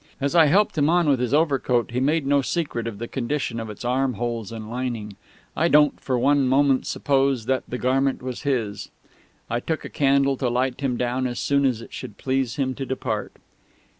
As I helped him on with his overcoat he made no secret of the condition of its armholes and lining. I don't for one moment suppose that the garment was his. I took a candle to light him down as soon as it should please him to depart.